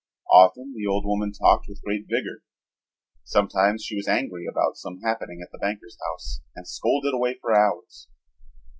Often the old woman talked with great vigor. Sometimes she was angry about some happening at the banker's house and scolded away for hours.